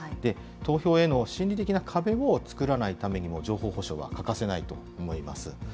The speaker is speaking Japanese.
投票への心理的な壁を作らないためにも、情報保障は欠かせないと思います。